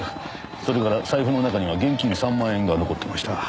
それから財布の中には現金３万円が残っていました。